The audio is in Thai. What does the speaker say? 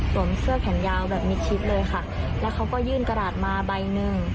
เสื้อแขนยาวแบบมิดชิดเลยค่ะแล้วเขาก็ยื่นกระดาษมาใบหนึ่ง